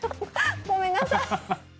ごめんなさい